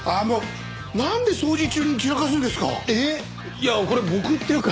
いやこれ僕っていうか。